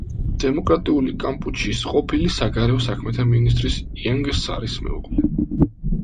დემოკრატიული კამპუჩიის ყოფილი საგარეო საქმეთა მინისტრის იენგ სარის მეუღლე.